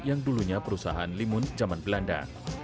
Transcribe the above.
yang dulunya perusahaan limun zaman belanda